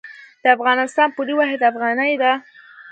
د افغانستان پولي واحد افغانۍ ده